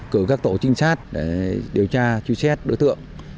cử các tổ trinh sát để điều tra truy xét đối tượng